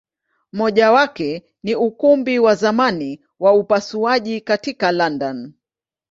Moja yake ni Ukumbi wa zamani wa upasuaji katika London.